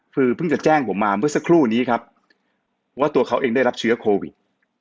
คือเพิ่งจะแจ้งผมมาเมื่อสักครู่นี้ครับว่าตัวเขาเองได้รับเชื้อโควิด